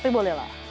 tapi boleh lah